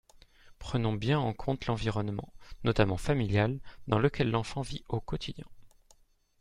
Prenons bien en compte l’environnement, notamment familial, dans lequel l’enfant vit au quotidien.